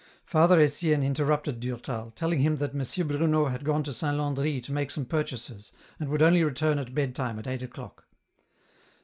Father Etienne interrupted Durtal, telling him that M. Bruno had gone to Saint Landry to make some purchases, and would only return at bed time at eight o'clock.